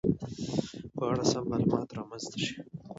په اړه سم معلومات رامنځته شي